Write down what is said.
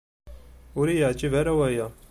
Ur iyi-yeɛjib ara waya.